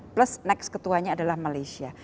plus next ketuanya adalah malaysia